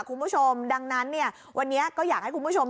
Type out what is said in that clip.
คุณผู้ชมดังนั้นเนี่ยวันนี้ก็อยากให้คุณผู้ชม